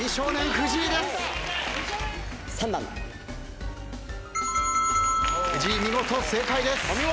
藤井見事正解です。